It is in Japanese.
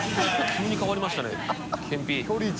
急に変わりましたねけんぴー。